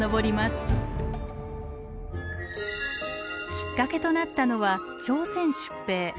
きっかけとなったのは朝鮮出兵。